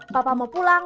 bapak mau pulang